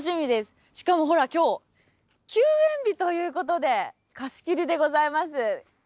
しかもほら今日休園日ということで貸し切りでございます。